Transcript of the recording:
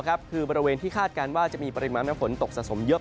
คือบริเวณที่คาดการณ์ว่าจะมีปริมาณน้ำฝนตกสะสมเยอะ